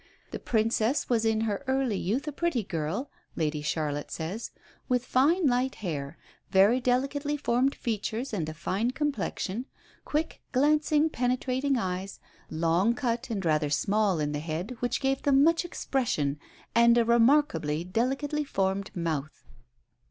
"The Princess was in her early youth a pretty girl," Lady Charlotte says, "with fine light hair very delicately formed features, and a fine complexion quick, glancing, penetrating eyes, long cut and rather small in the head, which gave them much expression; and a remarkably delicately formed mouth."